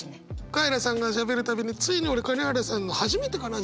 カエラさんがしゃべる度についに俺金原さんの初めてかな？